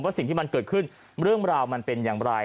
สิ่งที่มันเกิดขึ้นเรื่องราวมันเป็นอย่างไร